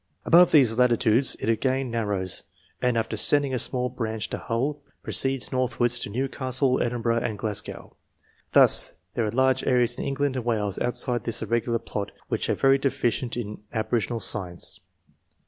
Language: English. Above these latitudes it again nar rows, and after sending a small branch to Hull, proceeds northwards to Newcastle, Edinburgh, and Glasgow. Thus there are large areas in England and Wales outside this irregular plot which are very deficient in aboriginal science.